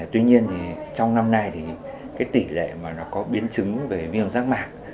tuy nhiên trong năm nay tỷ lệ có biến chứng về viêm rác mạc